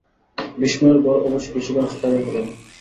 বিস্ময়ের ঘোর অবশ্যি বেশিক্ষণ স্থায়ী হলো না।